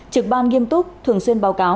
trực ban nghiêm túc thường xuyên báo cáo